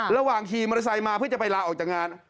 ขี่มอเตอร์ไซค์มาเพื่อจะไปลาออกจากงาน